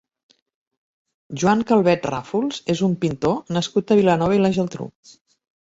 Joan Calvet Ràfols és un pintor nascut a Vilanova i la Geltrú.